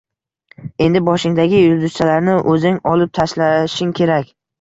Endi boshingdagi yulduzchalarni o‘zing olib tashlashing kerak.